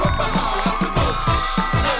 อยู่เคียดข้างรถก็รถมหาสนุก